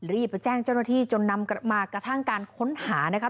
รีบไปแจ้งเจ้าหน้าที่จนนำมากระทั่งการค้นหานะคะ